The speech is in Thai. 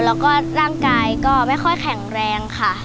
แล้วก็ร่างกายก็ไม่ค่อยแข็งแรงค่ะ